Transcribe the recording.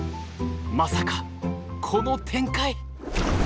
まさかこの展開！